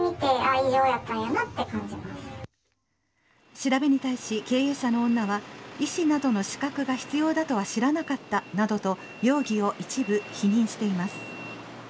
調べに対し、経営者の女は医師などの資格が必要だとは知らなかったなどと容疑を一部否認しています。